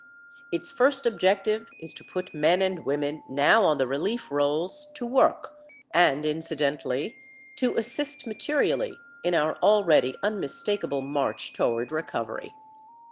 Its first objective is to put men and women now on the relief rolls to work and, incidentally, to assist materially in our already unmistakable march toward recovery.